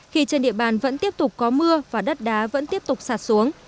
khi trên địa bàn vẫn tiếp tục có mưa và đất đá vẫn tiếp tục sạt xuống